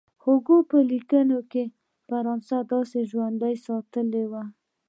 هوګو په لیکونو کې فرانسه داسې ژوندۍ ساتلې وه.